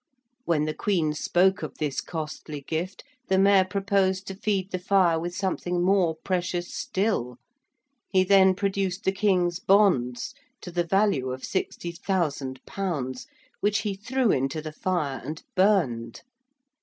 When the Queen spoke of this costly gift the Mayor proposed to feed the fire with something more precious still. He then produced the King's bonds to the value of 60,000_l._ which he threw into the fire and burned.